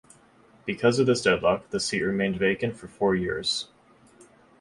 Because of this deadlock, the seat remained vacant for four years.